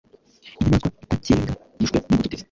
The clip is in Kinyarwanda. Inyamaswa idakenga yishwe n’umututizi.